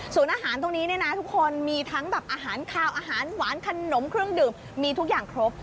ส่วนอาหารตรงนี้เนี่ยนะทุกคนมีทั้งแบบอาหารคาวอาหารหวานขนมเครื่องดื่มมีทุกอย่างครบ